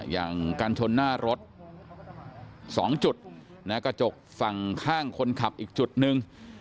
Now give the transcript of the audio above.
อย่างการชนหน้ารถ๒จุดกระจกฝั่งข้างคนขับอีกจุดหนึ่ง